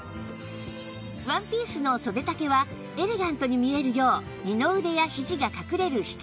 ワンピースの袖丈はエレガントに見えるよう二の腕やひじが隠れる七分袖に